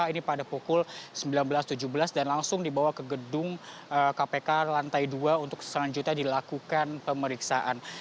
ini pada pukul sembilan belas tujuh belas dan langsung dibawa ke gedung kpk lantai dua untuk selanjutnya dilakukan pemeriksaan